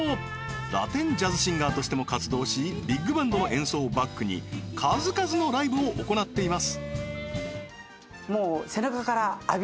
ラテンジャズシンガーとしても活動しビッグバンドの演奏をバックに数々のライブを行っています